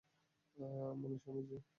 Munusamy - জি?